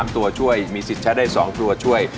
ตัวช่วยมีสิทธิ์ใช้ได้๒ตัวช่วย